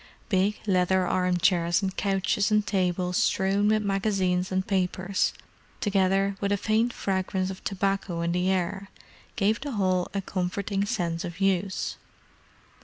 Big leather armchairs and couches and tables strewn with magazines and papers, together with a faint fragrance of tobacco in the air, gave to the hall a comforting sense of use.